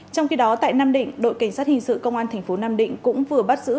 trong khi đó tại nam định đội cảnh sát hình sự công an tp nam định cũng vừa bắt giữ